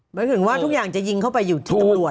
หมายถึงว่าทุกอย่างจะยิงเข้าไปอยู่ที่ตำรวจ